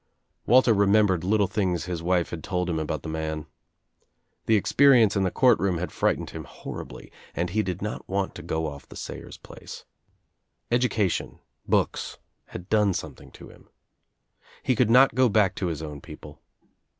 Walter remembered little things his wife had told him about the man. The experience m the court room had frightened him horribly and he did not want to go off the Sayers' place. Education, books had done something to him. He could not go back to his own people.